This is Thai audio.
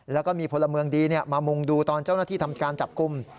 แล้วก็มีพลเมืองดีมามุงดูตอนเจ้าหน้าที่ทำการจับกลุ่ม